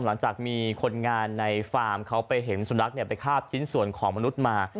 หลังจากมีคนงานในฟาร์มเขาไปเห็นสุนัขไปคาบชิ้นส่วนของมนุษย์มา